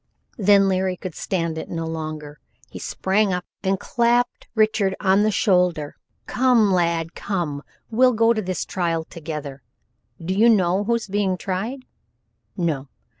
Then Larry could stand it no longer. He sprang up and clapped Richard on the shoulder. "Come, lad, come! We'll go to this trial together. Do you know who's being tried? No.